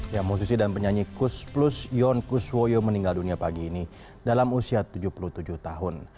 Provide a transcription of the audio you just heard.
yang musisi dan penyanyi kus plus yon kuswoyo meninggal dunia pagi ini dalam usia tujuh puluh tujuh tahun